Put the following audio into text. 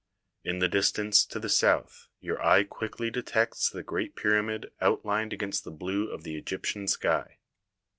In the dis tance to the south your eye quickly detects the great pyramid outlined against the blue of the Egyptian sky.